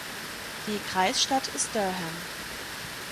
Die Kreisstadt ist Durham.